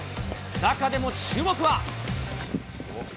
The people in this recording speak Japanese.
中でも注目は。